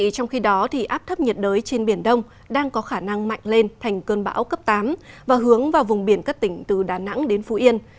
trong khi đó áp thấp nhiệt đới trên biển đông đang có khả năng mạnh lên thành cơn bão cấp tám và hướng vào vùng biển các tỉnh từ đà nẵng đến phú yên